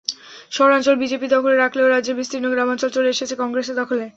শহরাঞ্চল BJP দখলে রাখলেও রাজ্যের বিস্তীর্ণ গ্রামাঞ্চল চলে এসেছে কংগ্রেসের দখলে।